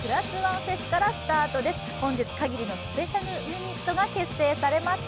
本日限りのスペシャルユニットが結成されます。